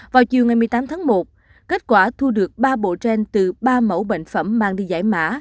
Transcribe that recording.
vào chiều ngày một mươi tám tháng một kết quả thu được ba bộ gen từ ba mẫu bệnh phẩm mang đi giải mã